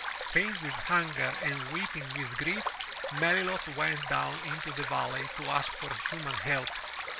Faint with hunger and weeping with grief, Melilot went down into the valley to ask for human help.